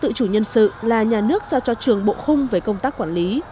tự chủ nhân sự là nhà nước giao cho trường bộ khung về công tác quản lý